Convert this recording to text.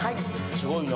すごいな。